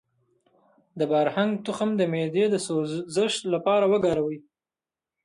د بارهنګ تخم د معدې د سوزش لپاره وکاروئ